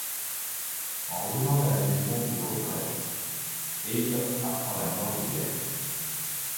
En revenant à la maison de retraite, Abe apprend la mort de Béatrice.